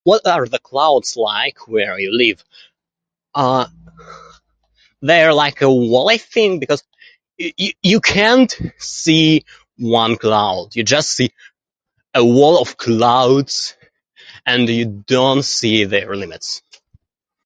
What are the clouds like where you live? Uh, they're like a whole, I think, because you you can't see one cloud. You just see a wall of clouds and you don't see their elements.